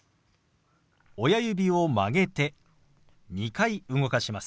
親指を曲げて２回動かします。